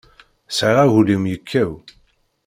Sɛiɣ aglim yekkaw.